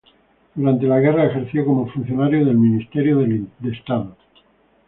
Durante la guerra ejerció como funcionario del Ministerio de Estado.